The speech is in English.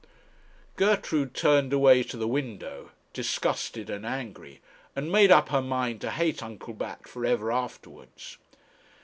Gertrude turned away to the window, disgusted and angry, and made up her mind to hate Uncle Bat for ever afterwards.